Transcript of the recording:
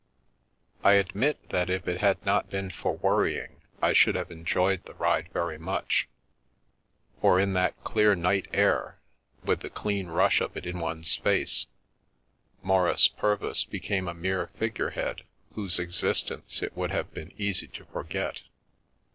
I admit that if it had not been for worrying I should have enjoyed the ride very much, for in that clear night air, with the clean rush of it in one's face, Maurice Pur vis became a mere figure head whose existence it would have been easy to forget.